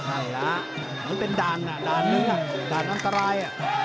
ใช่ล่ะเหมือนเป็นด่านนี้ด่านอันตราย